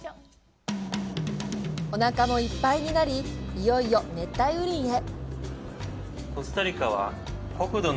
おなかもいっぱいになりいよいよ熱帯雨林へ！